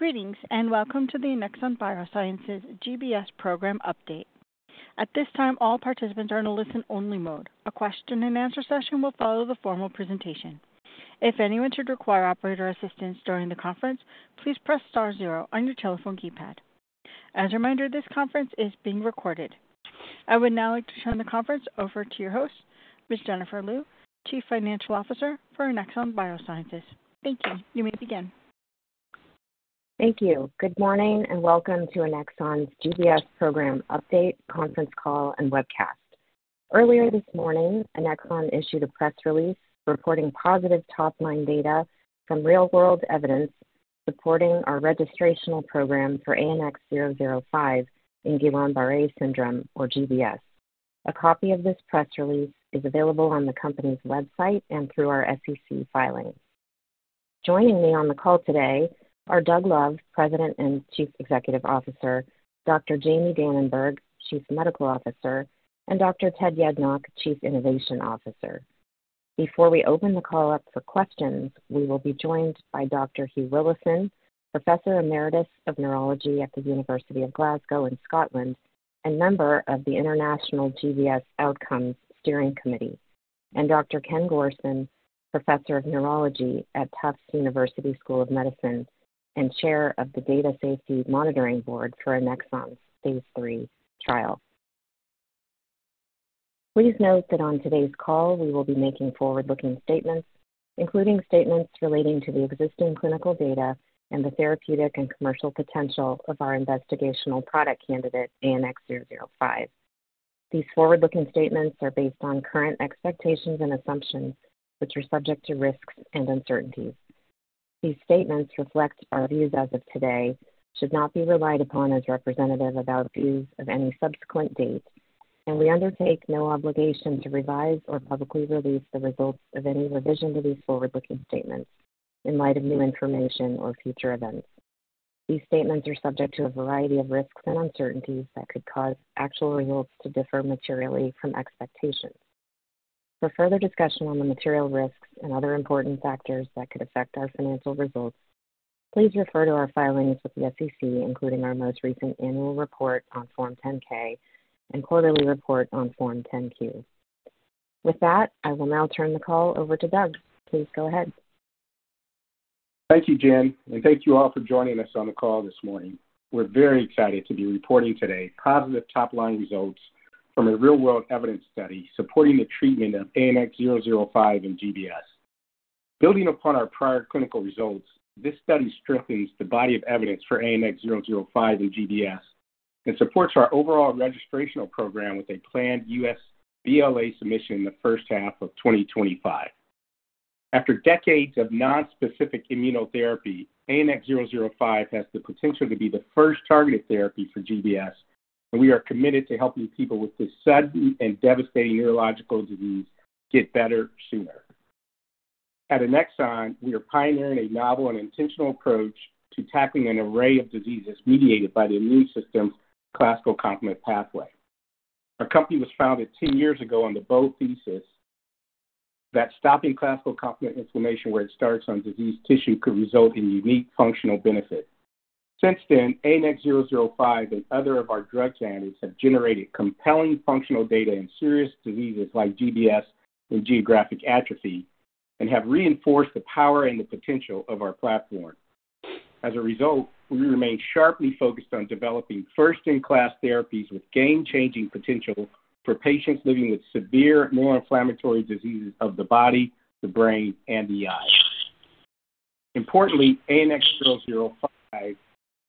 Greetings and welcome to the Annexon Biosciences GBS program update. At this time, all participants are in a listen-only mode. A question-and-answer session will follow the formal presentation. If anyone should require operator assistance during the conference, please press star zero on your telephone keypad. As a reminder, this conference is being recorded. I would now like to turn the conference over to your host, Ms. Jennifer Lew, Chief Financial Officer for Annexon Biosciences. Thank you. You may begin. Thank you. Good morning and welcome to Annexon's GBS program update, conference call, and webcast. Earlier this morning, Annexon issued a press release reporting positive top-line data from real-world evidence supporting our registrational program for ANX005 in Guillain-Barré syndrome, or GBS. A copy of this press release is available on the company's website and through our SEC filings. Joining me on the call today are Doug Love, President and Chief Executive Officer, Dr. Jamie Dananberg, Chief Medical Officer, and Dr. Ted Yednock, Chief Innovation Officer. Before we open the call up for questions, we will be joined by Dr. Hugh Willison, Professor Emeritus of Neurology at the University of Glasgow in Scotland and member of the International GBS Outcomes Study Steering Committee, and Dr. Kenneth Gorson, Professor of Neurology at Tufts University School of Medicine and Chair of the Data Safety Monitoring Board for Annexon's phase III trial. Please note that on today's call, we will be making forward-looking statements, including statements relating to the existing clinical data and the therapeutic and commercial potential of our investigational product candidate, ANX005. These forward-looking statements are based on current expectations and assumptions, which are subject to risks and uncertainties. These statements reflect our views as of today, should not be relied upon as representative about views of any subsequent date, and we undertake no obligation to revise or publicly release the results of any revision to these forward-looking statements in light of new information or future events. These statements are subject to a variety of risks and uncertainties that could cause actual results to differ materially from expectations. For further discussion on the material risks and other important factors that could affect our financial results, please refer to our filings with the SEC, including our most recent annual report on Form 10-K and quarterly report on Form 10-Q. With that, I will now turn the call over to Doug. Please go ahead. Thank you, Jen, and thank you all for joining us on the call this morning. We're very excited to be reporting today positive top-line results from a real-world evidence study supporting the treatment of ANX005 in GBS. Building upon our prior clinical results, this study strengthens the body of evidence for ANX005 in GBS and supports our overall registrational program with a planned U.S. BLA submission in the first half of 2025. After decades of nonspecific immunotherapy, ANX005 has the potential to be the first targeted therapy for GBS, and we are committed to helping people with this sudden and devastating neurological disease get better sooner. At Annexon, we are pioneering a novel and intentional approach to tackling an array of diseases mediated by the immune system's classical complement pathway. Our company was founded 10 years ago on the bold thesis that stopping classical complement inflammation where it starts on diseased tissue could result in unique functional benefit. Since then, ANX005 and other of our drug candidates have generated compelling functional data in serious diseases like GBS and geographic atrophy and have reinforced the power and the potential of our platform. As a result, we remain sharply focused on developing first-in-class therapies with game-changing potential for patients living with severe neuroinflammatory diseases of the body, the brain, and the eye. Importantly, ANX005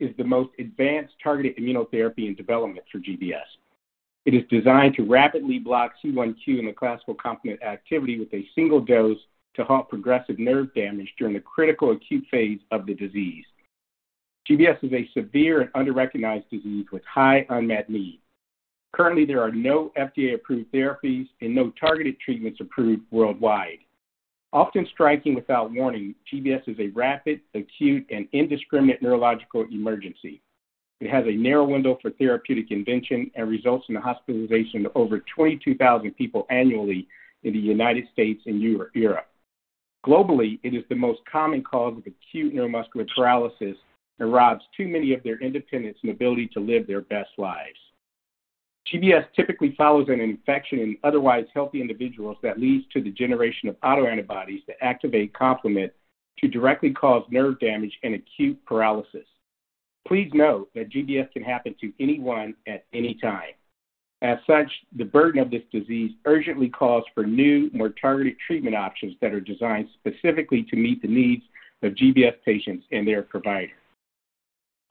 is the most advanced targeted immunotherapy in development for GBS. It is designed to rapidly block C1q and the classical complement activity with a single dose to halt progressive nerve damage during the critical acute phase of the disease. GBS is a severe and under-recognized disease with high unmet need. Currently, there are no FDA-approved therapies and no targeted treatments approved worldwide. Often striking without warning, GBS is a rapid, acute, and indiscriminate neurological emergency. It has a narrow window for therapeutic intervention and results in the hospitalization of over 22,000 people annually in the United States and Europe. Globally, it is the most common cause of acute neuromuscular paralysis and robs too many of their independence and ability to live their best lives. GBS typically follows an infection in otherwise healthy individuals that leads to the generation of autoantibodies that activate complement to directly cause nerve damage and acute paralysis. Please note that GBS can happen to anyone at any time. As such, the burden of this disease urgently calls for new, more targeted treatment options that are designed specifically to meet the needs of GBS patients and their providers.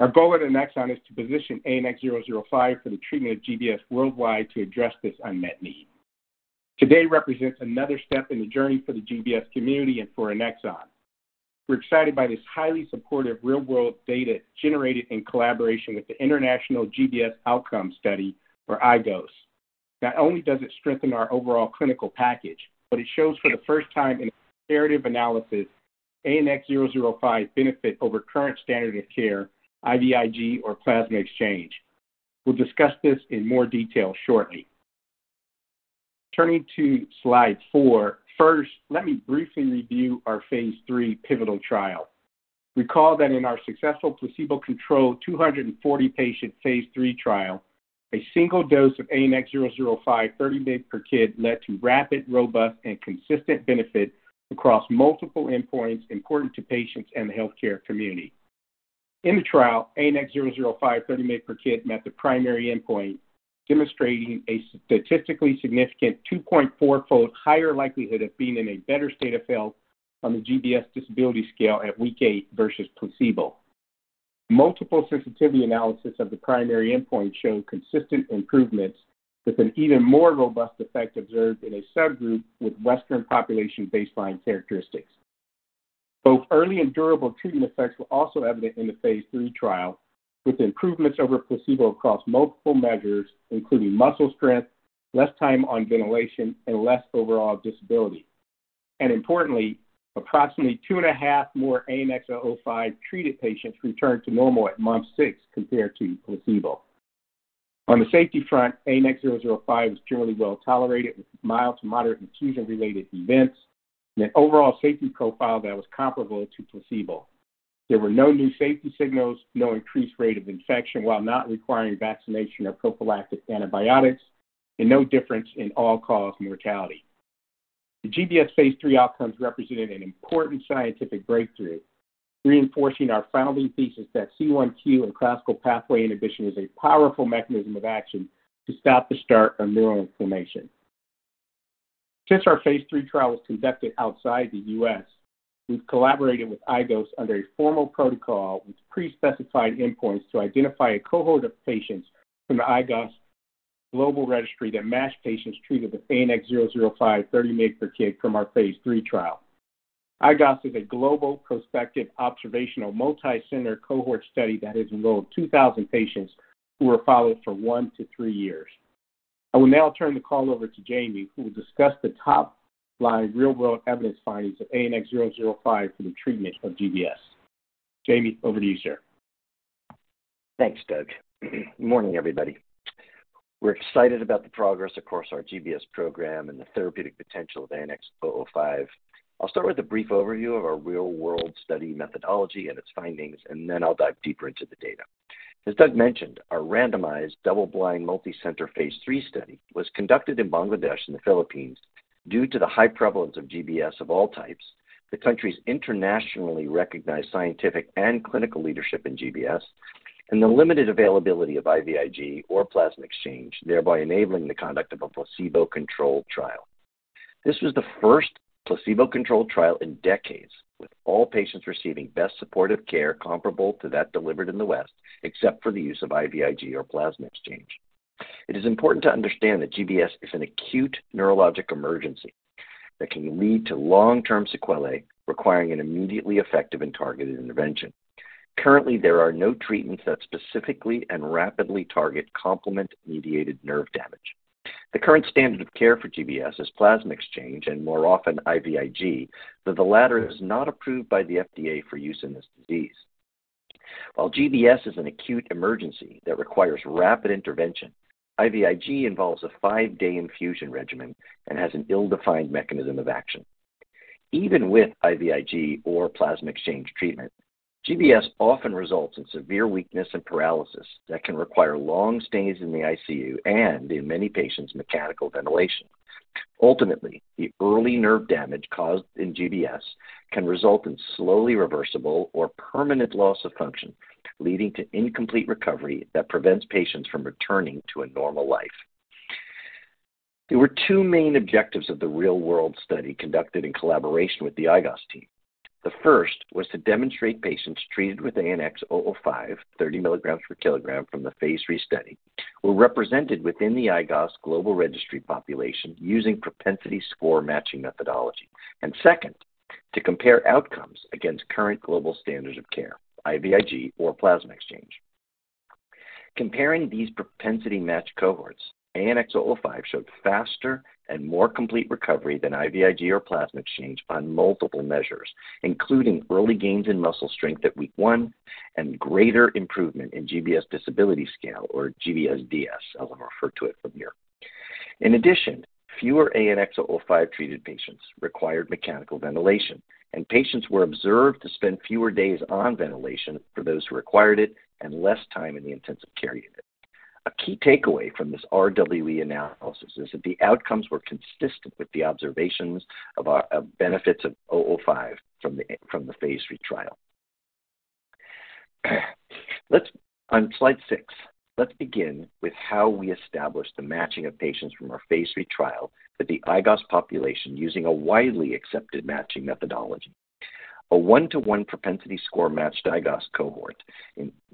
Our goal at Annexon is to position ANX005 for the treatment of GBS worldwide to address this unmet need. Today represents another step in the journey for the GBS community and for Annexon. We're excited by this highly supportive real-world data generated in collaboration with the International GBS Outcomes Study, or IGOS. Not only does it strengthen our overall clinical package, but it shows for the first time in a comparative analysis ANX005 benefit over current standard of care, IVIG, or plasma exchange. We'll discuss this in more detail shortly. Turning to slide four, first, let me briefly review our phase III pivotal trial. Recall that in our successful placebo-controlled 240-patient phase III trial, a single dose of ANX005, 30 mg per kg, led to rapid, robust, and consistent benefit across multiple endpoints important to patients and the healthcare community. In the trial, ANX005, 30 mg per kg, met the primary endpoint, demonstrating a statistically significant 2.4-fold higher likelihood of being in a better state of health on the GBS Disability Scale at week eight versus placebo. Multiple sensitivity analysis of the primary endpoint showed consistent improvements with an even more robust effect observed in a subgroup with Western population baseline characteristics. Both early and durable treatment effects were also evident in the phase III trial, with improvements over placebo across multiple measures, including muscle strength, less time on ventilation, and less overall disability, and importantly, approximately two and a half more ANX005 treated patients returned to normal at month six compared to placebo. On the safety front, ANX005 was generally well tolerated with mild to moderate infusion-related events and an overall safety profile that was comparable to placebo. There were no new safety signals, no increased rate of infection while not requiring vaccination or prophylactic antibiotics, and no difference in all-cause mortality. The GBS phase III outcomes represented an important scientific breakthrough, reinforcing our founding thesis that C1q and classical pathway inhibition is a powerful mechanism of action to stop the start of neuroinflammation. Since our phase III trial was conducted outside the U.S., we've collaborated with IGOS under a formal protocol with pre-specified endpoints to identify a cohort of patients from the IGOS global registry that match patients treated with ANX005, 30 mg per kg, from our phase III trial. IGOS is a global, prospective, observational, multi-center cohort study that has enrolled 2,000 patients who were followed for one to three years. I will now turn the call over to Jamie, who will discuss the top-line real-world evidence findings of ANX005 for the treatment of GBS. Jamie, over to you, sir. Thanks, Doug. Good morning, everybody. We're excited about the progress across our GBS program and the therapeutic potential of ANX005. I'll start with a brief overview of our real-world study methodology and its findings, and then I'll dive deeper into the data. As Doug mentioned, our randomized, double-blind, multi-center phase III study was conducted in Bangladesh and the Philippines due to the high prevalence of GBS of all types, the country's internationally recognized scientific and clinical leadership in GBS, and the limited availability of IVIG or plasma exchange, thereby enabling the conduct of a placebo-controlled trial. This was the first placebo-controlled trial in decades, with all patients receiving best supportive care comparable to that delivered in the West, except for the use of IVIG or plasma exchange. It is important to understand that GBS is an acute neurologic emergency that can lead to long-term sequelae requiring an immediately effective and targeted intervention. Currently, there are no treatments that specifically and rapidly target complement-mediated nerve damage. The current standard of care for GBS is plasma exchange and more often IVIG, though the latter is not approved by the FDA for use in this disease. While GBS is an acute emergency that requires rapid intervention, IVIG involves a five-day infusion regimen and has an ill-defined mechanism of action. Even with IVIG or plasma exchange treatment, GBS often results in severe weakness and paralysis that can require long stays in the ICU and, in many patients, mechanical ventilation. Ultimately, the early nerve damage caused in GBS can result in slowly reversible or permanent loss of function, leading to incomplete recovery that prevents patients from returning to a normal life. There were two main objectives of the real-world study conducted in collaboration with the IGOS team. The first was to demonstrate patients treated with ANX005, 30 mg per kilogram from the phase III study, were represented within the IGOS global registry population using propensity score matching methodology, and second, to compare outcomes against current global standards of care, IVIG or plasma exchange. Comparing these propensity-matched cohorts, ANX005 showed faster and more complete recovery than IVIG or plasma exchange on multiple measures, including early gains in muscle strength at week one and greater improvement in GBS Disability Scale, or GBSDS, as I'll refer to it from here. In addition, fewer ANX005 treated patients required mechanical ventilation, and patients were observed to spend fewer days on ventilation for those who required it and less time in the intensive care unit. A key takeaway from this RWE analysis is that the outcomes were consistent with the observations of benefits of ANX005 from the phase III trial. On slide six, let's begin with how we established the matching of patients from our phase III trial to the IGOS population using a widely accepted matching methodology. A one-to-one propensity score matched IGOS cohort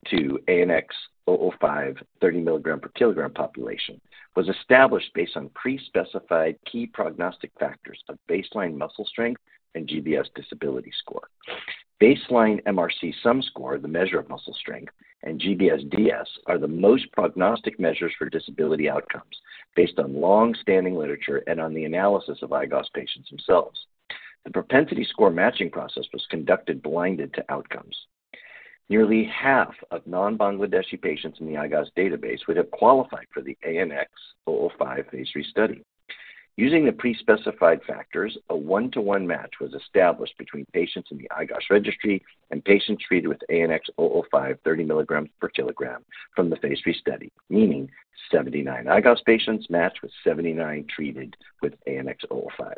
to ANX005, 30 mg per kilogram population, was established based on pre-specified key prognostic factors of baseline muscle strength and GBS Disability score. Baseline MRC Sum Score, the measure of muscle strength, and GBSDS are the most prognostic measures for disability outcomes based on long-standing literature and on the analysis of IGOS patients themselves. The propensity score matching process was conducted blinded to outcomes. Nearly half of non-Bangladeshi patients in the IGOS database would have qualified for the ANX005 phase III study. Using the pre-specified factors, a one-to-one match was established between patients in the IGOS registry and patients treated with ANX005, 30 mg per kilogram from the phase III study, meaning 79 IGOS patients matched with 79 treated with ANX005.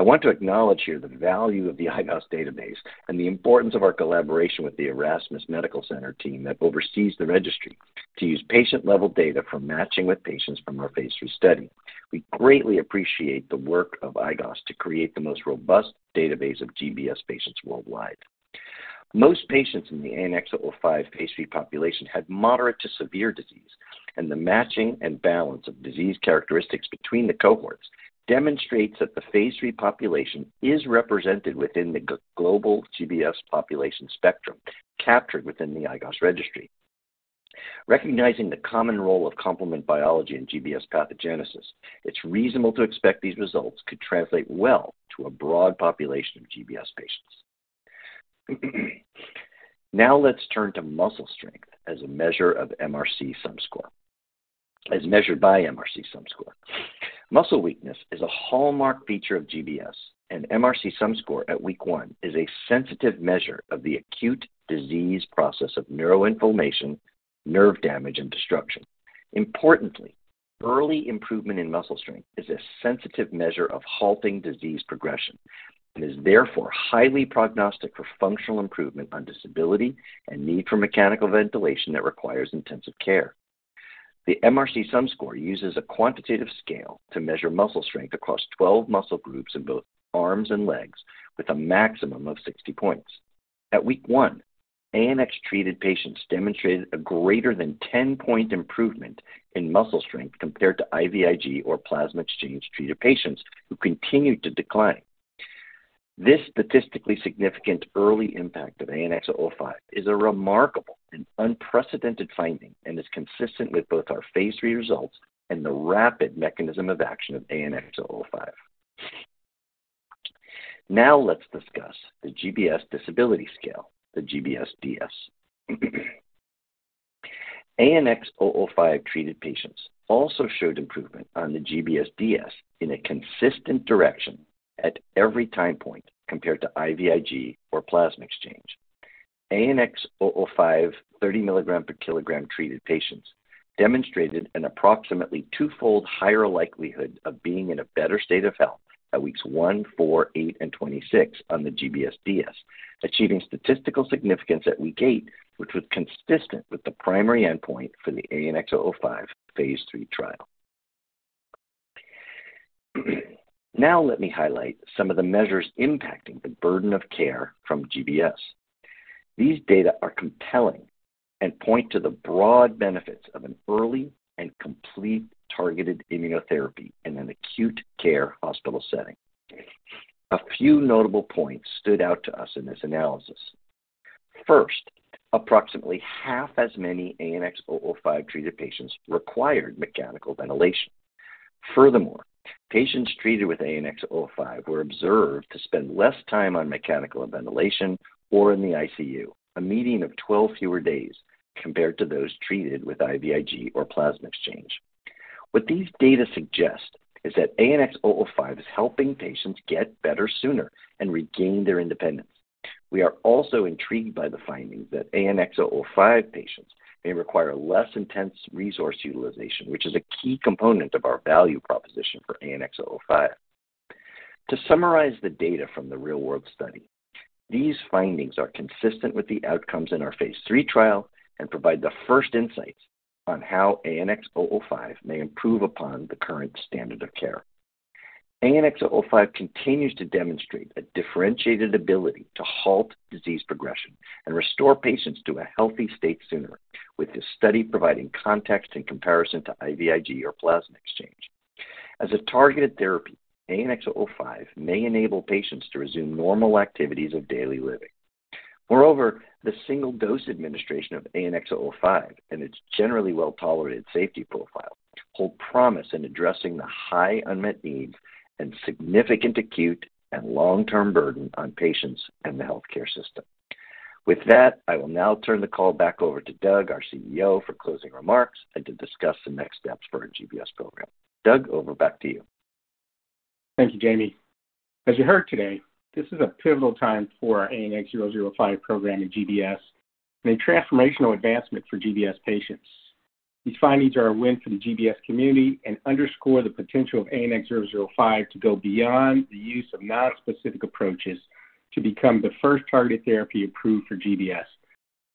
I want to acknowledge here the value of the IGOS database and the importance of our collaboration with the Erasmus Medical Center team that oversees the registry to use patient-level data for matching with patients from our phase III study. We greatly appreciate the work of IGOS to create the most robust database of GBS patients worldwide. Most patients in the ANX005 phase III population had moderate to severe disease, and the matching and balance of disease characteristics between the cohorts demonstrates that the phase III population is represented within the global GBS population spectrum captured within the IGOS registry. Recognizing the common role of complement biology in GBS pathogenesis, it's reasonable to expect these results could translate well to a broad population of GBS patients. Now let's turn to muscle strength as a measure of MRC Sum Score, as measured by MRC Sum Score. Muscle weakness is a hallmark feature of GBS, and MRC Sum Score at week one is a sensitive measure of the acute disease process of neuroinflammation, nerve damage, and destruction. Importantly, early improvement in muscle strength is a sensitive measure of halting disease progression and is therefore highly prognostic for functional improvement on disability and need for mechanical ventilation that requires intensive care. The MRC Sum Score uses a quantitative scale to measure muscle strength across 12 muscle groups in both arms and legs with a maximum of 60 points. At week one, ANX-treated patients demonstrated a greater than 10-point improvement in muscle strength compared to IVIG or plasma exchange treated patients who continued to decline. This statistically significant early impact of ANX005 is a remarkable and unprecedented finding and is consistent with both our phase III results and the rapid mechanism of action of ANX005. Now let's discuss the GBS Disability Scale, the GBSDS. ANX005 treated patients also showed improvement on the GBSDS in a consistent direction at every time point compared to IVIG or plasma exchange. ANX005, 30 mg per kilogram treated patients demonstrated an approximately twofold higher likelihood of being in a better state of health at weeks one, four, eight, and 26 on the GBSDS, achieving statistical significance at week eight, which was consistent with the primary endpoint for the ANX005 phase III trial. Now let me highlight some of the measures impacting the burden of care from GBS. These data are compelling and point to the broad benefits of an early and complete targeted immunotherapy in an acute care hospital setting. A few notable points stood out to us in this analysis. First, approximately half as many ANX005 treated patients required mechanical ventilation. Furthermore, patients treated with ANX005 were observed to spend less time on mechanical ventilation or in the ICU, a median of 12 fewer days compared to those treated with IVIG or plasma exchange. What these data suggest is that ANX005 is helping patients get better sooner and regain their independence. We are also intrigued by the findings that ANX005 patients may require less intense resource utilization, which is a key component of our value proposition for ANX005. To summarize the data from the real-world study, these findings are consistent with the outcomes in our phase III trial and provide the first insights on how ANX005 may improve upon the current standard of care. ANX005 continues to demonstrate a differentiated ability to halt disease progression and restore patients to a healthy state sooner, with this study providing context in comparison to IVIG or plasma exchange. As a targeted therapy, ANX005 may enable patients to resume normal activities of daily living. Moreover, the single-dose administration of ANX005 and its generally well-tolerated safety profile hold promise in addressing the high unmet needs and significant acute and long-term burden on patients and the healthcare system. With that, I will now turn the call back over to Doug, our CEO, for closing remarks and to discuss the next steps for our GBS program. Doug, over back to you. Thank you, Jamie. As you heard today, this is a pivotal time for our ANX005 program in GBS and a transformational advancement for GBS patients. These findings are a win for the GBS community and underscore the potential of ANX005 to go beyond the use of nonspecific approaches to become the first targeted therapy approved for GBS.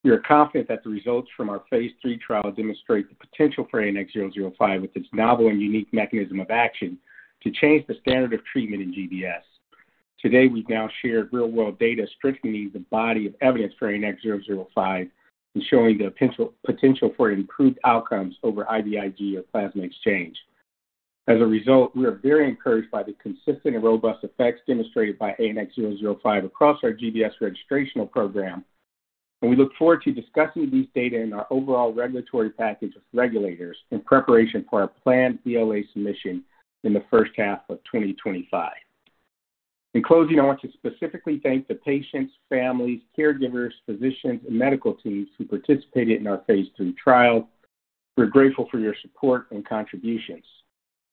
We are confident that the results from our phase III trial demonstrate the potential for ANX005 with its novel and unique mechanism of action to change the standard of treatment in GBS. Today, we've now shared real-world data strengthening the body of evidence for ANX005 and showing the potential for improved outcomes over IVIG or plasma exchange. As a result, we are very encouraged by the consistent and robust effects demonstrated by ANX005 across our GBS registrational program, and we look forward to discussing these data in our overall regulatory package with regulators in preparation for our planned BLA submission in the first half of 2025. In closing, I want to specifically thank the patients, families, caregivers, physicians, and medical teams who participated in our phase III trial. We're grateful for your support and contributions.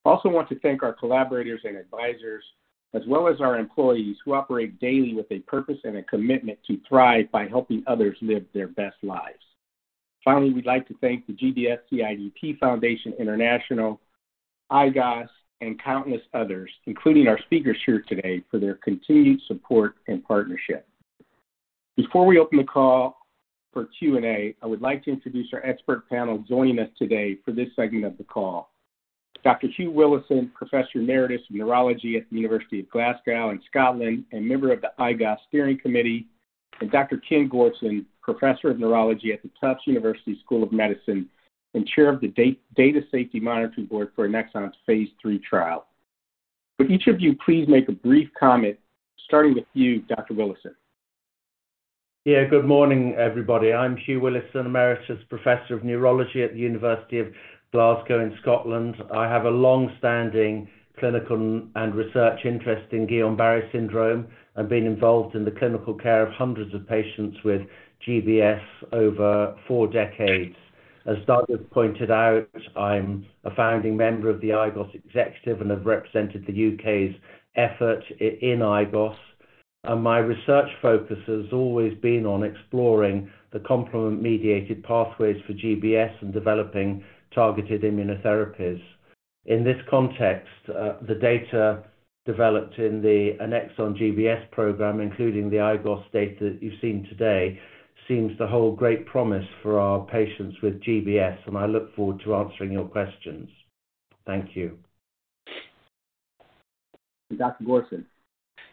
I also want to thank our collaborators and advisors, as well as our employees who operate daily with a purpose and a commitment to thrive by helping others live their best lives. Finally, we'd like to thank the GBS CIDP Foundation International, IGOS, and countless others, including our speakers here today, for their continued support and partnership. Before we open the call for Q&A, I would like to introduce our expert panel joining us today for this segment of the call: Dr. Hugh Willison, Professor Emeritus of Neurology at the University of Glasgow in Scotland and member of the IGOS steering committee, and Dr. Kenneth Gorson, Professor of Neurology at the Tufts University School of Medicine and chair of the Data Safety Monitoring Board for Annexon's phase III trial. Would each of you please make a brief comment, starting with you, Dr. Willison? Yeah, good morning, everybody. I'm Hugh Willison, Emeritus Professor of Neurology at the University of Glasgow in Scotland. I have a long-standing clinical and research interest in Guillain-Barré syndrome and been involved in the clinical care of hundreds of patients with GBS over four decades. As Doug has pointed out, I'm a founding member of the IGOS executive and have represented the U.K.'s effort in IGOS. My research focus has always been on exploring the complement-mediated pathways for GBS and developing targeted immunotherapies. In this context, the data developed in the Annexon GBS program, including the IGOS data that you've seen today, seems to hold great promise for our patients with GBS, and I look forward to answering your questions. Thank you. Dr. Gorson.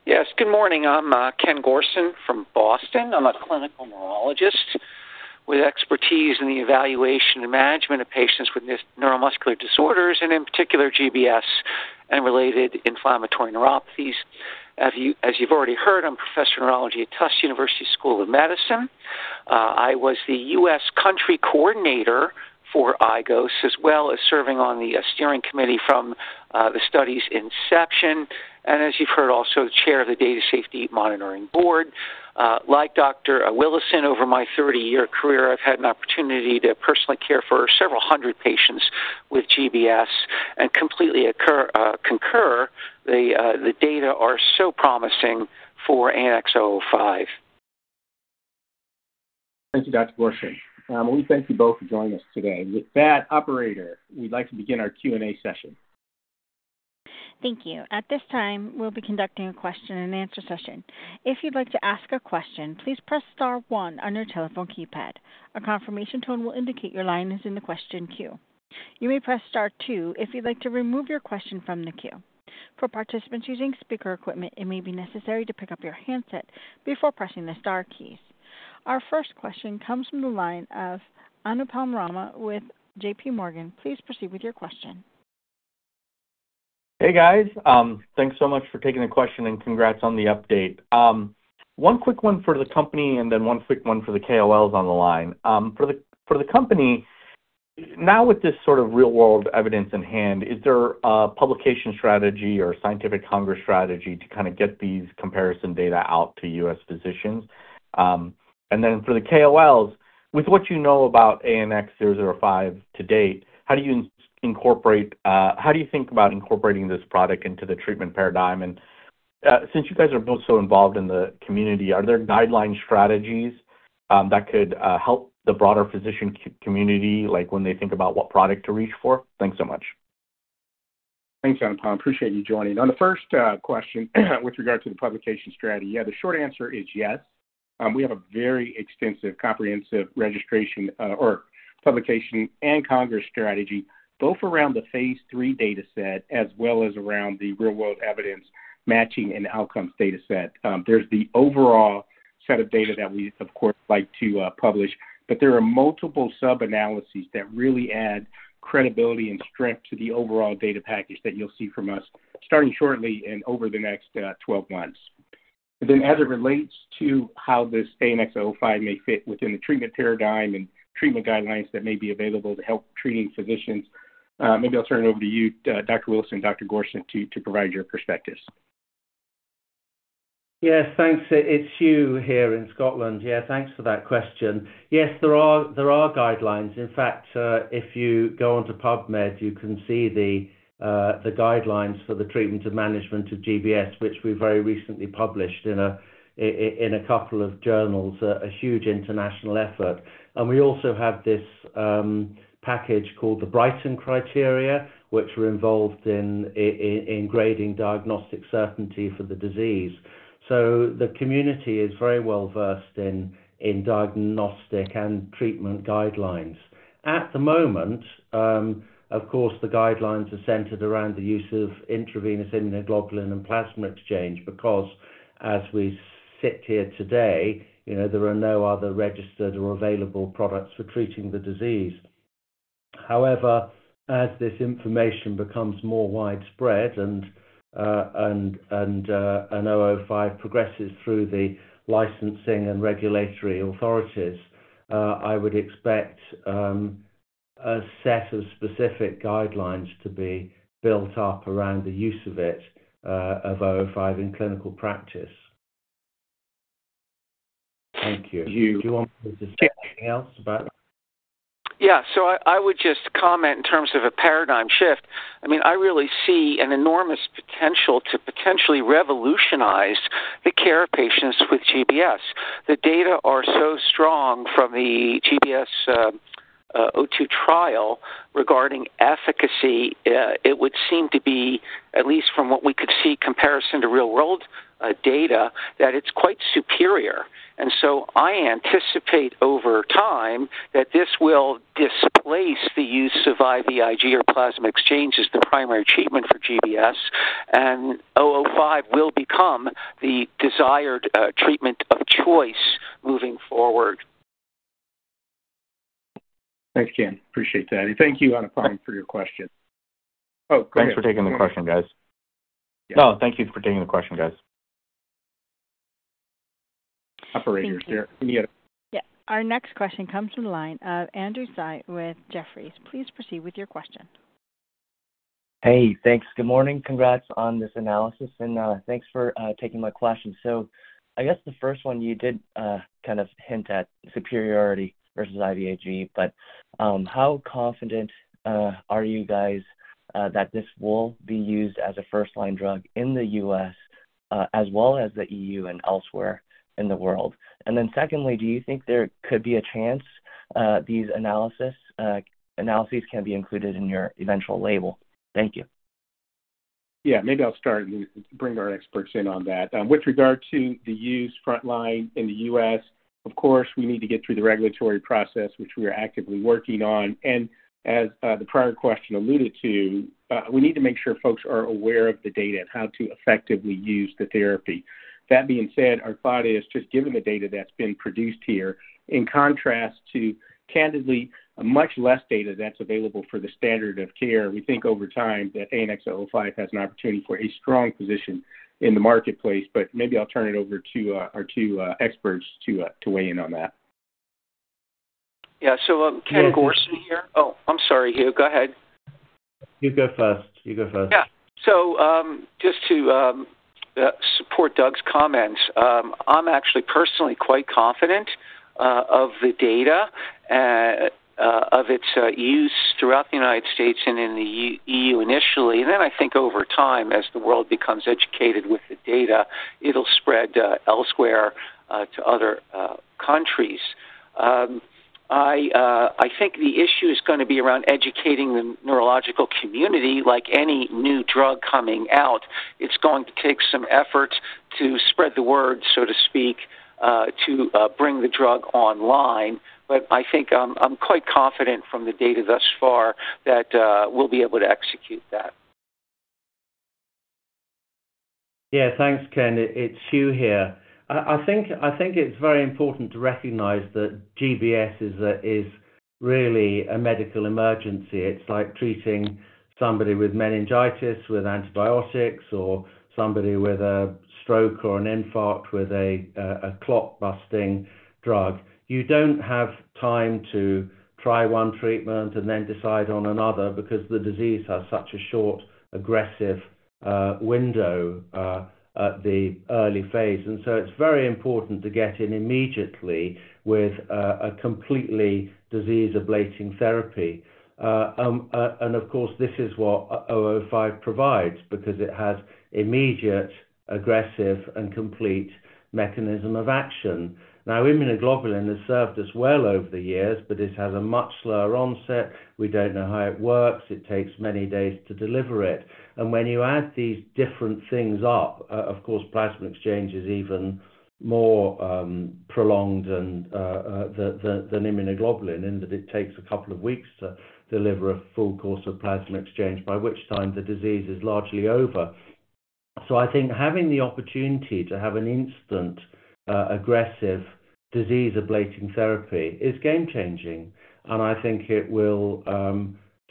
Yes, good morning. I'm Kenneth Gorson from Boston. I'm a clinical neurologist with expertise in the evaluation and management of patients with neuromuscular disorders and, in particular, GBS and related inflammatory neuropathies. As you've already heard, I'm a professor of neurology at Tufts University School of Medicine. I was the U.S. Country Coordinator for IGOS, as well as serving on the steering committee from the study's inception, and as you've heard, also the chair of the Data Safety Monitoring Board. Like Dr. Willison, over my 30-year career, I've had an opportunity to personally care for several hundred patients with GBS and completely concur the data are so promising for ANX005. Thank you, Dr. Gorson. We thank you both for joining us today. With that, operator, we'd like to begin our Q&A session. Thank you. At this time, we'll be conducting a question-and-answer session. If you'd like to ask a question, please press star one on your telephone keypad. A confirmation tone will indicate your line is in the question queue. You may press star two if you'd like to remove your question from the queue. For participants using speaker equipment, it may be necessary to pick up your handset before pressing the star keys. Our first question comes from the line of Anupam Rama with JPMorgan. Please proceed with your question. Hey, guys. Thanks so much for taking the question and congrats on the update. One quick one for the company and then one quick one for the KOLs on the line. For the company, now with this sort of real-world evidence in hand, is there a publication strategy or scientific congress strategy to kind of get these comparison data out to U.S. physicians? And then for the KOLs, with what you know about ANX005 to date, how do you incorporate, how do you think about incorporating this product into the treatment paradigm? And since you guys are both so involved in the community, are there guideline strategies that could help the broader physician community when they think about what product to reach for? Thanks so much. Thanks, Anupam. Appreciate you joining. On the first question with regard to the publication strategy, yeah, the short answer is yes. We have a very extensive comprehensive registration or publication and congress strategy, both around the phase III dataset as well as around the real-world evidence matching and outcomes dataset. There's the overall set of data that we, of course, like to publish, but there are multiple sub-analyses that really add credibility and strength to the overall data package that you'll see from us starting shortly and over the next 12 months. And then as it relates to how this ANX005 may fit within the treatment paradigm and treatment guidelines that may be available to help treating physicians, maybe I'll turn it over to you, Dr. Willison, Dr. Gorson, to provide your perspectives. Yes, thanks. It's Hugh here in Scotland. Yeah, thanks for that question. Yes, there are guidelines. In fact, if you go onto PubMed, you can see the guidelines for the treatment and management of GBS, which we very recently published in a couple of journals, a huge international effort. And we also have this package called the Brighton Criteria, which we're involved in grading diagnostic certainty for the disease. So the community is very well-versed in diagnostic and treatment guidelines. At the moment, of course, the guidelines are centered around the use of intravenous immunoglobulin and plasma exchange because, as we sit here today, there are no other registered or available products for treating the disease. However, as this information becomes more widespread and ANX005 progresses through the licensing and regulatory authorities, I would expect a set of specific guidelines to be built up around the use of it, of ANX005 in clinical practice. Thank you. Hugh. Do you want me to say anything else about that? Yeah. So, I would just comment in terms of a paradigm shift. I mean, I really see an enormous potential to potentially revolutionize the care of patients with GBS. The data are so strong from the GBS-02 trial regarding efficacy. It would seem to be, at least from what we could see, comparison to real-world data, that it's quite superior. And so, I anticipate over time that this will displace the use of IVIG or plasma exchange as the primary treatment for GBS, and 005 will become the desired treatment of choice moving forward. Thanks, Ken. Appreciate that. And thank you, Anupam, for your question. Oh, go ahead. Thanks for taking the question, guys. No, thank you for taking the question, guys. Operator, is there any other? Yeah. Our next question comes from the line of Andrew Tsai with Jefferies. Please proceed with your question. Hey, thanks. Good morning. Congrats on this analysis, and thanks for taking my question. So I guess the first one you did kind of hint at superiority versus IVIG, but how confident are you guys that this will be used as a first-line drug in the U.S., as well as the EU and elsewhere in the world? And then secondly, do you think there could be a chance these analyses can be included in your eventual label? Thank you. Yeah, maybe I'll start and bring our experts in on that. With regard to the use frontline in the U.S., of course, we need to get through the regulatory process, which we are actively working on. And as the prior question alluded to, we need to make sure folks are aware of the data and how to effectively use the therapy. That being said, our thought is, just given the data that's been produced here, in contrast to candidly much less data that's available for the standard of care, we think over time that ANX005 has an opportunity for a strong position in the marketplace. But maybe I'll turn it over to our two experts to weigh in on that. Yeah. So, Ken Gorson here. Oh, I'm sorry, Hugh. Go ahead. You go first. You go first. Yeah. So just to support Doug's comments, I'm actually personally quite confident of the data, of its use throughout the United States and in the EU initially. And then I think over time, as the world becomes educated with the data, it'll spread elsewhere to other countries. I think the issue is going to be around educating the neurological community. Like any new drug coming out, it's going to take some effort to spread the word, so to speak, to bring the drug online. But I think I'm quite confident from the data thus far that we'll be able to execute that. Yeah, thanks, Ken. It's Hugh here. I think it's very important to recognize that GBS is really a medical emergency. It's like treating somebody with meningitis with antibiotics or somebody with a stroke or an infarct with a clot-busting drug. You don't have time to try one treatment and then decide on another because the disease has such a short aggressive window at the early phase. And so it's very important to get in immediately with a completely disease-ablating therapy. And of course, this is what 005 provides because it has immediate, aggressive, and complete mechanism of action. Now, immunoglobulin has served us well over the years, but it has a much slower onset. We don't know how it works. It takes many days to deliver it. When you add these different things up, of course, plasma exchange is even more prolonged than immunoglobulin in that it takes a couple of weeks to deliver a full course of plasma exchange, by which time the disease is largely over. So I think having the opportunity to have an instant aggressive disease-ablating therapy is game-changing. I think it will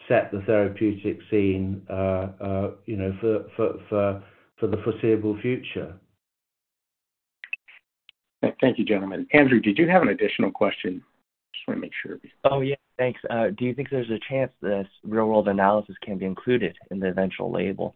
set the therapeutic scene for the foreseeable future. Thank you, gentlemen. Andrew, did you have an additional question? Just want to make sure. Oh, yeah. Thanks. Do you think there's a chance this real-world analysis can be included in the eventual label?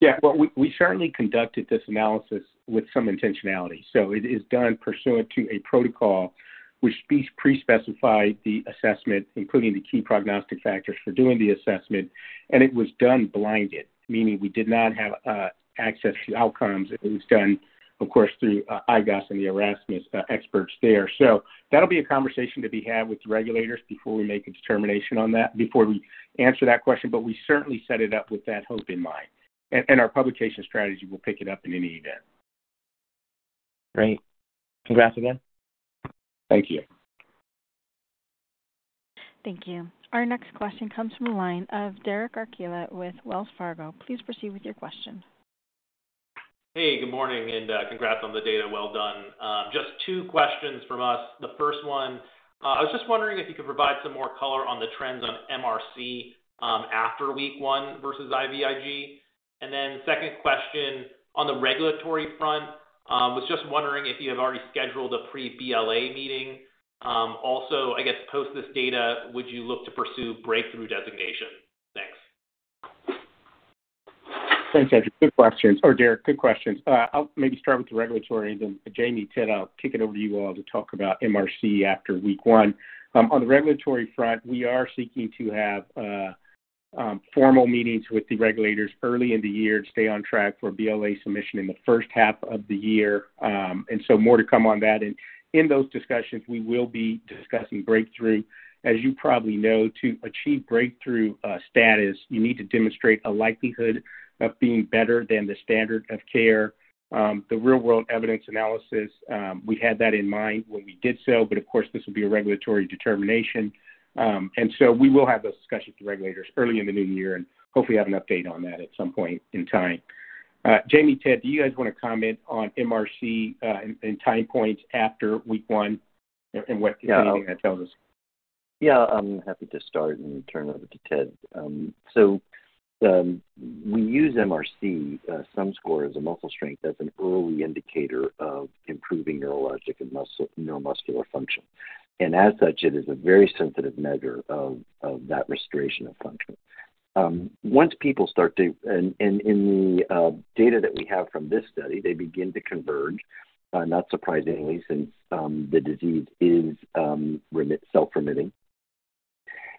Yeah. Well, we certainly conducted this analysis with some intentionality. So it is done pursuant to a protocol which pre-specified the assessment, including the key prognostic factors for doing the assessment. And it was done blinded, meaning we did not have access to outcomes. It was done, of course, through IGOS and the Erasmus experts there. So that'll be a conversation to be had with the regulators before we make a determination on that, before we answer that question. But we certainly set it up with that hope in mind. And our publication strategy will pick it up in any event. Great. Congrats again. Thank you. Thank you. Our next question comes from the line of Derek Archila with Wells Fargo. Please proceed with your question. Hey, good morning, and congrats on the data, well done. Just two questions from us. The first one, I was just wondering if you could provide some more color on the trends on MRC after week one versus IVIG? And then second question on the regulatory front, was just wondering if you have already scheduled a pre-BLA meeting? Also, I guess post this data, would you look to pursue breakthrough designation? Thanks. Thanks, Andrew. Good questions. Oh, Derek, good questions. I'll maybe start with the regulatory, and then Jamie, Ted, I'll kick it over to you all to talk about MRC after week one. On the regulatory front, we are seeking to have formal meetings with the regulators early in the year to stay on track for BLA submission in the first half of the year, and so more to come on that, and in those discussions, we will be discussing breakthrough. As you probably know, to achieve breakthrough status, you need to demonstrate a likelihood of being better than the standard of care. The real-world evidence analysis, we had that in mind when we did so, but of course, this will be a regulatory determination. And so we will have those discussions with the regulators early in the new year and hopefully have an update on that at some point in time. Jamie, Ted, do you guys want to comment on MRC and time points after week one and what anything that tells us? Yeah. I'm happy to start and turn it over to Ted. We use MRC Sum Score as a muscle strength, as an early indicator of improving neurologic and neuromuscular function. And as such, it is a very sensitive measure of that restoration of function. Once people start to, and in the data that we have from this study, they begin to converge, not surprisingly, since the disease is self-remitting.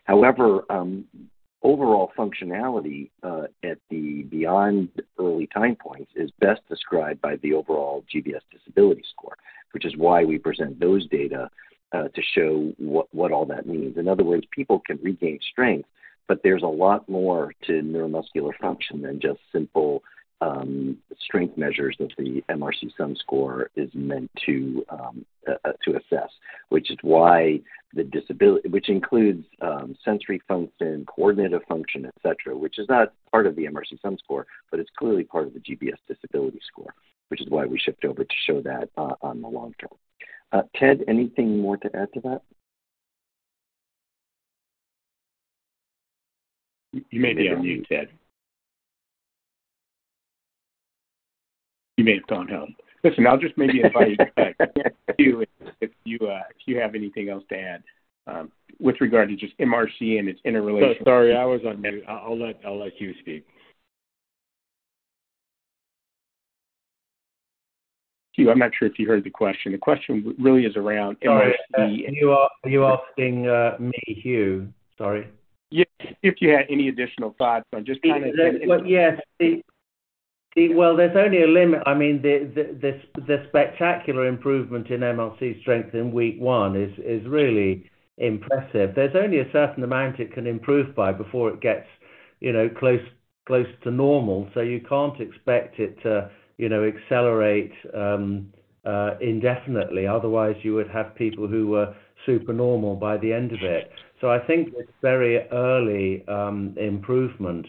However, overall functionality at and beyond early time points is best described by the overall GBS Disability score, which is why we present those data to show what all that means. In other words, people can regain strength, but there's a lot more to neuromuscular function than just simple strength measures that the MRC Sum Score is meant to assess, which is why the disability, which includes sensory function, coordinative function, etc., which is not part of the MRC Sum Score, but it's clearly part of the GBS Disability score, which is why we shift over to show that on the long term. Ted, anything more to add to that? You may be on mute, Ted. You may have gone home. Listen, I'll just maybe invite Hugh if you have anything else to add with regard to just MRC and its interrelation. Sorry, I was on mute. I'll let Hugh speak. Hugh, I'm not sure if you heard the question. The question really is around MRC. Are you asking me, Hugh? Sorry. If you had any additional thoughts on just kind of. Yes, well, there's only a limit. I mean, the spectacular improvement in MRC strength in week one is really impressive. There's only a certain amount it can improve by before it gets close to normal, so you can't expect it to accelerate indefinitely. Otherwise, you would have people who were supernormal by the end of it, so I think this very early improvement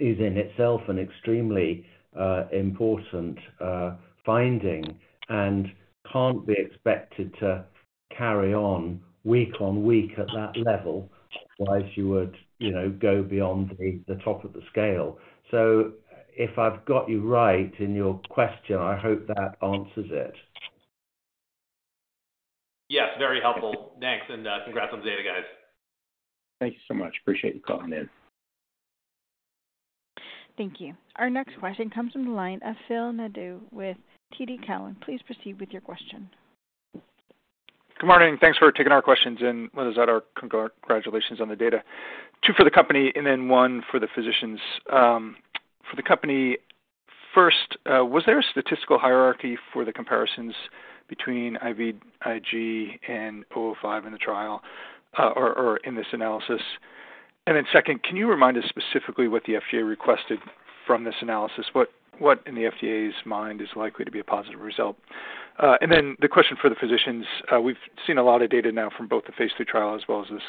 is in itself an extremely important finding and can't be expected to carry on week on week at that level whilst you would go beyond the top of the scale, so if I've got you right in your question, I hope that answers it. Yes. Very helpful. Thanks. And congrats on the data, guys. Thank you so much. Appreciate you calling in. Thank you. Our next question comes from the line of Phil Nadeau with TD Cowen. Please proceed with your question. Good morning. Thanks for taking our questions, and let us add our congratulations on the data. Two for the company and then one for the physicians. For the company, first, was there a statistical hierarchy for the comparisons between IVIG and 005 in the trial or in this analysis, and then second, can you remind us specifically what the FDA requested from this analysis? What in the FDA's mind is likely to be a positive result, and then the question for the physicians, we've seen a lot of data now from both the phase III trial as well as this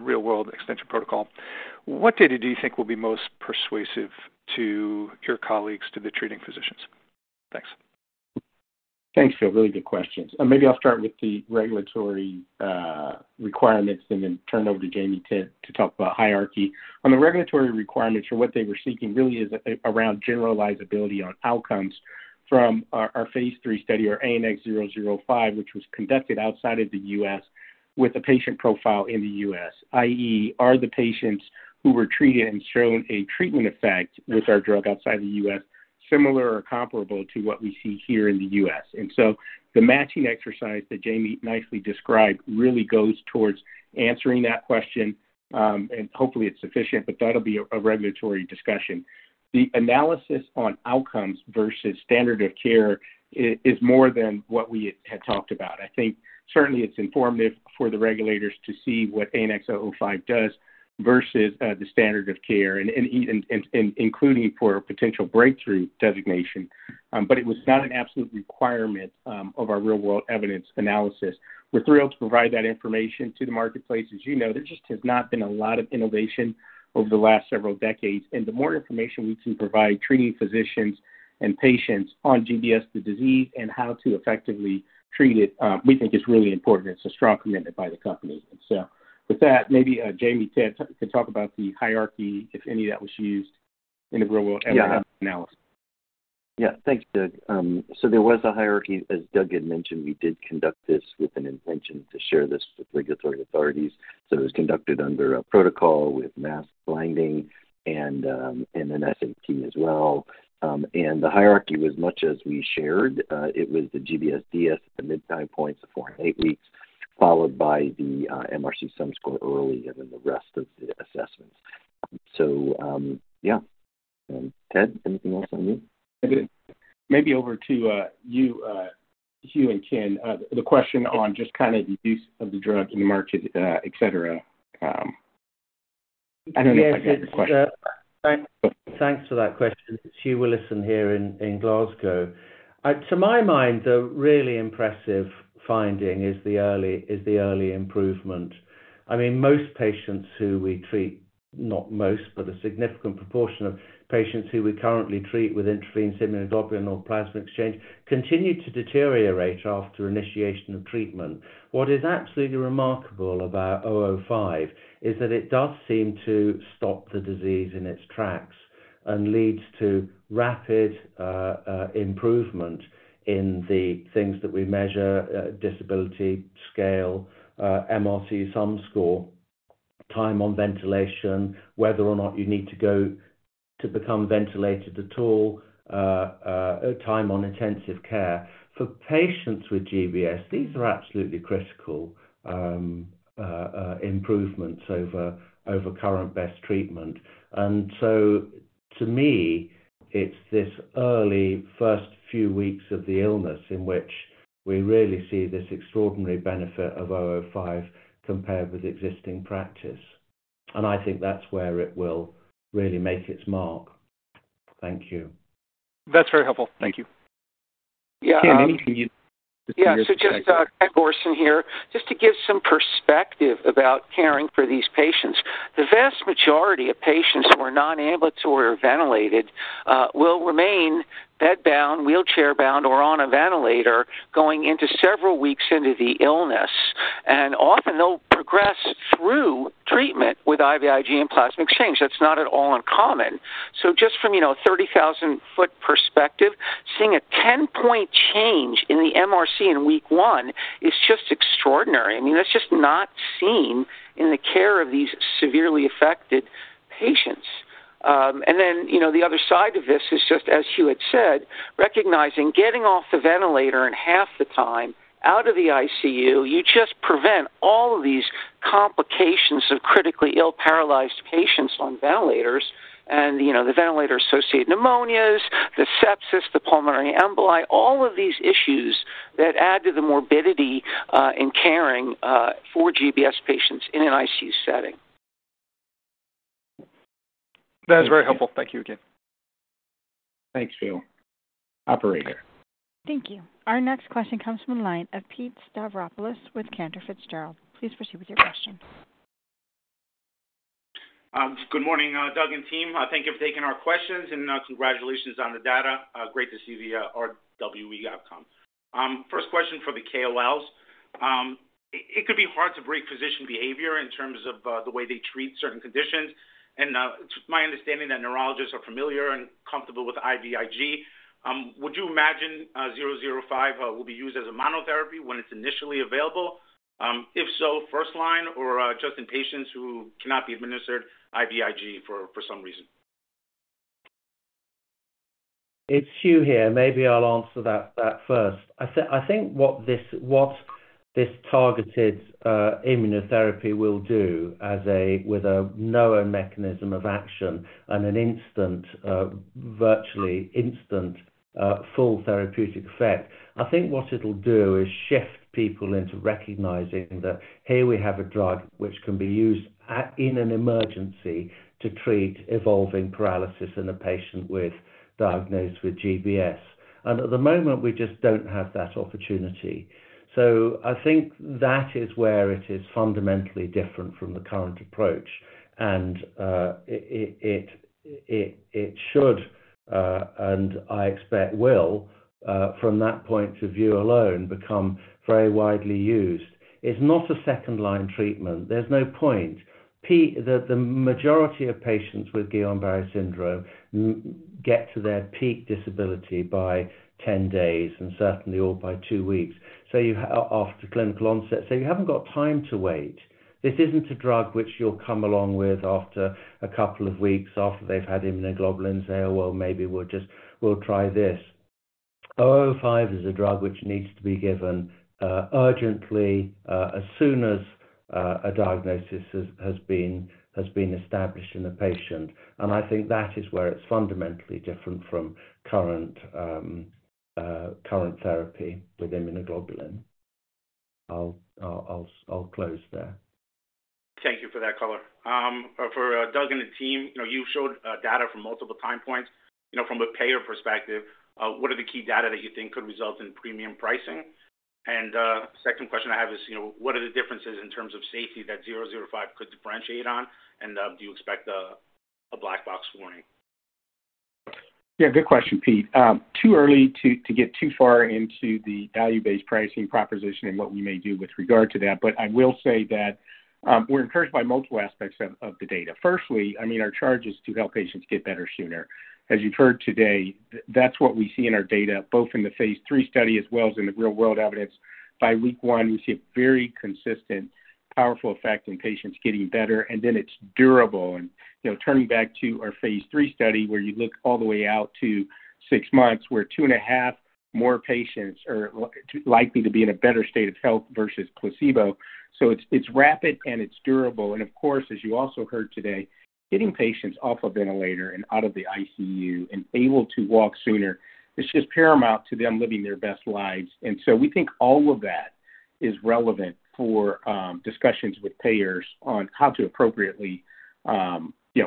real-world extension protocol. What data do you think will be most persuasive to your colleagues, to the treating physicians? Thanks. Thanks for really good questions. And maybe I'll start with the regulatory requirements and then turn it over to Jamie, Ted, to talk about hierarchy. On the regulatory requirements for what they were seeking really is around generalizability on outcomes from our phase III study of ANX005, which was conducted outside of the U.S. with a patient profile in the U.S., i.e., are the patients who were treated and shown a treatment effect with our drug outside the U.S. similar or comparable to what we see here in the U.S.? And so the matching exercise that Jamie nicely described really goes towards answering that question. And hopefully, it's sufficient, but that'll be a regulatory discussion. The analysis on outcomes versus standard of care is more than what we had talked about. I think certainly it's informative for the regulators to see what ANX005 does versus the standard of care, including for potential breakthrough designation. But it was not an absolute requirement of our real-world evidence analysis. We're thrilled to provide that information to the marketplace. As you know, there just has not been a lot of innovation over the last several decades, and the more information we can provide treating physicians and patients on GBS, the disease, and how to effectively treat it, we think is really important. It's a strong commitment by the company, and so with that, maybe Jamie, Ted, could talk about the hierarchy, if any, that was used in the real-world analysis. Yeah. Thanks, Doug. So there was a hierarchy. As Doug had mentioned, we did conduct this with an intention to share this with regulatory authorities. So it was conducted under a protocol with mask blinding and an SAP as well. And the hierarchy was much as we shared. It was the GBS-DS at the mid-time points, the four and eight weeks, followed by the MRC Sum Score early, and then the rest of the assessments. So yeah. And Ted, anything else on you? Maybe over to you, Hugh and Ken, the question on just kind of the use of the drug in the market, etc. I don't know if I got the question. Thanks for that question. It's Hugh Willison here in Glasgow. To my mind, the really impressive finding is the early improvement. I mean, most patients who we treat, not most, but a significant proportion of patients who we currently treat with intravenous immunoglobulin or plasma exchange continue to deteriorate after initiation of treatment. What is absolutely remarkable about 005 is that it does seem to stop the disease in its tracks and leads to rapid improvement in the things that we measure: disability scale, MRC Sum Score, time on ventilation, whether or not you need to go to become ventilated at all, time on intensive care. For patients with GBS, these are absolutely critical improvements over current best treatment. And so to me, it's this early first few weeks of the illness in which we really see this extraordinary benefit of 005 compared with existing practice. And I think that's where it will really make its mark. Thank you. That's very helpful. Thank you. Yeah. Yeah. So just Kenneth Gorson here, just to give some perspective about caring for these patients. The vast majority of patients who are non-ambulatory or ventilated will remain bedbound, wheelchair-bound, or on a ventilator going into several weeks into the illness. And often they'll progress through treatment with IVIG and plasma exchange. That's not at all uncommon. So just from a 30,000-foot perspective, seeing a 10-point change in the MRC in week one is just extraordinary. I mean, that's just not seen in the care of these severely affected patients. And then the other side of this is just, as Hugh had said, recognizing getting off the ventilator in half the time out of the ICU. You just prevent all of these complications of critically ill paralyzed patients on ventilators and the ventilator-associated pneumonias, the sepsis, the pulmonary emboli, all of these issues that add to the morbidity in caring for GBS patients in an ICU setting. That is very helpful. Thank you again. Thanks, Phil. Operator. Thank you. Our next question comes from the line of Pete Stavropoulos with Cantor Fitzgerald. Please proceed with your question. Good morning, Doug and team. Thank you for taking our questions, and congratulations on the data. Great to see the RWE outcome. First question for the KOLs. It could be hard to break physician behavior in terms of the way they treat certain conditions. And it's my understanding that neurologists are familiar and comfortable with IVIG. Would you imagine 005 will be used as a monotherapy when it's initially available? If so, first line or just in patients who cannot be administered IVIG for some reason? It's Hugh here. Maybe I'll answer that first. I think what this targeted immunotherapy will do with a novel mechanism of action and an instant, virtually instant, full therapeutic effect, I think what it'll do is shift people into recognizing that here we have a drug which can be used in an emergency to treat evolving paralysis in a patient diagnosed with GBS, and at the moment, we just don't have that opportunity, so I think that is where it is fundamentally different from the current approach, and it should, and I expect will, from that point of view alone, become very widely used. It's not a second-line treatment. There's no point. The majority of patients with Guillain-Barré syndrome get to their peak disability by 10 days and certainly all by two weeks, so after clinical onset, so you haven't got time to wait. This isn't a drug which you'll come along with after a couple of weeks. After they've had immunoglobulins, they'll, "Well, maybe we'll try this." 005 is a drug which needs to be given urgently as soon as a diagnosis has been established in a patient. And I think that is where it's fundamentally different from current therapy with immunoglobulin. I'll close there. Thank you for that color. For Doug and the team, you showed data from multiple time points. From a payer perspective, what are the key data that you think could result in premium pricing? And the second question I have is, what are the differences in terms of safety that 005 could differentiate on? And do you expect a black box warning? Yeah. Good question, Pete. Too early to get too far into the value-based pricing proposition and what we may do with regard to that. But I will say that we're encouraged by multiple aspects of the data. Firstly, I mean, our charge is to help patients get better sooner. As you've heard today, that's what we see in our data, both in the phase III study as well as in the real-world evidence. By week one, we see a very consistent, powerful effect in patients getting better. And then it's durable. And turning back to our phase III study where you look all the way out to six months, where two and a half more patients are likely to be in a better state of health versus placebo. So it's rapid and it's durable. And of course, as you also heard today, getting patients off a ventilator and out of the ICU and able to walk sooner, it's just paramount to them living their best lives. And so we think all of that is relevant for discussions with payers on how to appropriately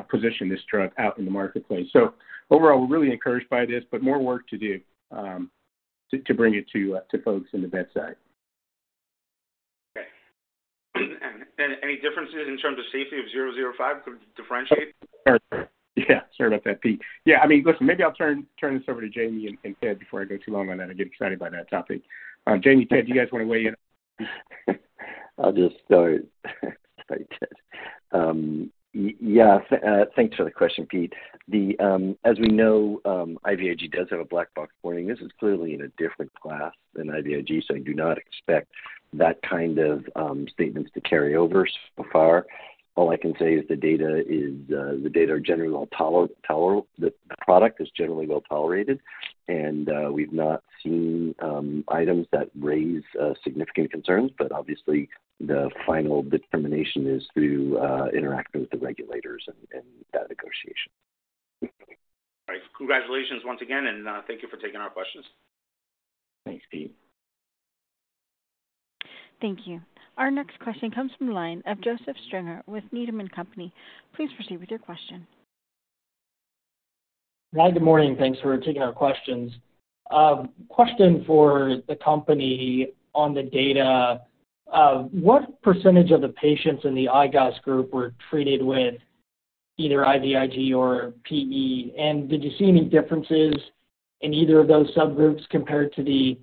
position this drug out in the marketplace. So overall, we're really encouraged by this, but more work to do to bring it to folks at the bedside. Okay. And any differences in terms of safety of 005 could differentiate? Yeah. Sorry about that, Pete. Yeah. I mean, listen, maybe I'll turn this over to Jamie and Ted before I go too long on that. I get excited by that topic. Jamie, Ted, do you guys want to weigh in? I'll just start. Yeah. Thanks for the question, Pete. As we know, IVIG does have a black box warning. This is clearly in a different class than IVIG, so I do not expect that kind of statements to carry over so far. All I can say is the data are generally well-tolerated. The product is generally well-tolerated. And we've not seen items that raise significant concerns. But obviously, the final determination is through interacting with the regulators and that negotiation. All right. Congratulations once again, and thank you for taking our questions. Thanks, Pete. Thank you. Our next question comes from the line of Joseph Stringer with Needham & Company. Please proceed with your question. Hi, good morning. Thanks for taking our questions. Question for the company on the data. What percentage of the patients in the IGOS group were treated with either IVIG or PE? And did you see any differences in either of those subgroups compared to the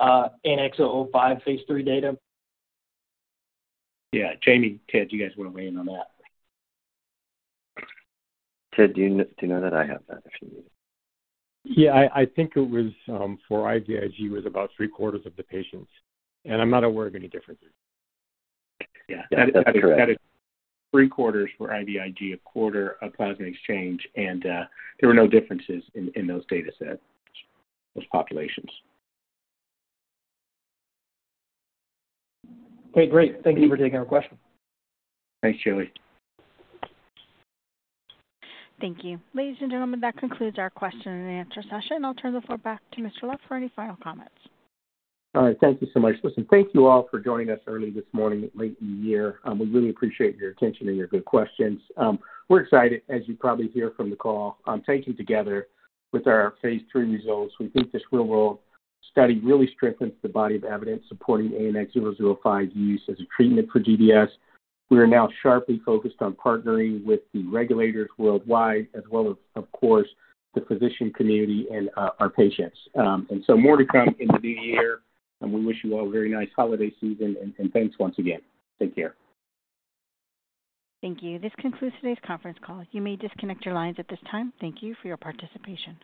ANX005 phase III data? Yeah. Jamie, Ted, you guys want to weigh in on that? Ted, do you know that? I have that if you need it. Yeah. I think it was for IVIG, it was about three-quarters of the patients. And I'm not aware of any differences. Yeah. That's correct. Three-quarters for IVIG, a quarter of plasma exchange, and there were no differences in those data sets, those populations. Okay. Great. Thank you for taking our questions. Thanks, Joseph. Thank you. Ladies and gentlemen, that concludes our question-and-answer session. I'll turn the floor back to Mr. Love for any final comments. All right. Thank you so much. Listen, thank you all for joining us early this morning and late in the year. We really appreciate your attention and your good questions. We're excited, as you probably hear from the call, taking together with our phase III results. We think this real-world study really strengthens the body of evidence supporting ANX005 use as a treatment for GBS. We are now sharply focused on partnering with the regulators worldwide, as well as, of course, the physician community and our patients. And so more to come in the new year. And we wish you all a very nice holiday season. And thanks once again. Take care. Thank you. This concludes today's conference call. You may disconnect your lines at this time. Thank you for your participation.